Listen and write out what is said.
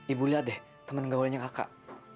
ibu lihat deh teman gaulnya kakak